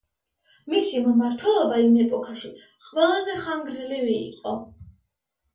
მისი მმართველობა იმ ეპოქაში ყველაზე ხანგრძლივი იყო.